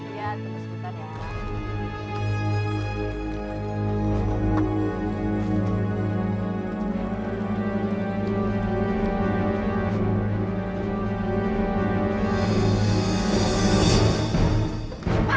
bisa terus kita ya